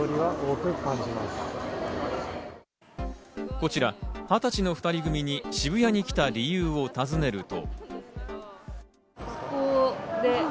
こちら、２０歳の２人組みに渋谷に来た理由を尋ねると。